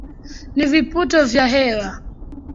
na viputo vya hewa